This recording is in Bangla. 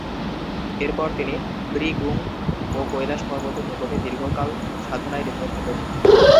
এরপর তিনি 'ব্রি-গুং ও কৈলাশ পর্বতের নিকট দীর্ঘকাল সাধনায় লিপ্ত থাকেন।